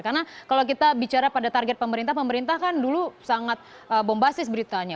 karena kalau kita bicara pada target pemerintah pemerintah kan dulu sangat bombastis beritanya